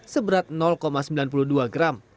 seberat sembilan puluh dua gram